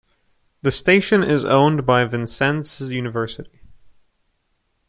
The station is owned by Vincennes University.